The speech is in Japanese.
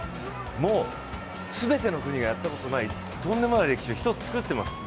もう全ての国がやったことがないとんでもない歴史を作ってます。